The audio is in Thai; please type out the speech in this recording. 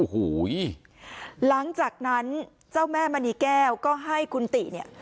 โอ้โหหลังจากนั้นเจ้าแม่มณีแก้วก็ให้คุณติเนี่ย